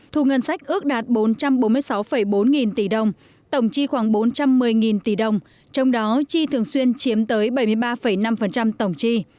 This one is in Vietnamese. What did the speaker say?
thu ngân sách ước đạt bốn trăm bốn mươi sáu bốn nghìn tỷ đồng tổng tri khoảng bốn trăm một mươi nghìn tỷ đồng trong đó tri thường xuyên chiếm tới bảy mươi ba năm tổng tri